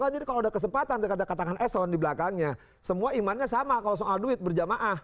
jadi kalau ada kesempatan katakan eson di belakangnya semua imannya sama kalau soal duit berjamaah